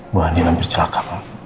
buah ini hampir celaka pak